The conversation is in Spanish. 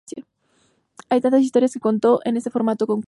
Hay tantas historias que contar en ese formato., concluyó.